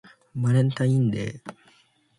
バレンタインデー